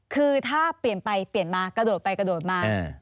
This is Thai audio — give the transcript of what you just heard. คือถ้าเปลี่ยนไปเปลี่ยนมากระโดดไปกระโดดมา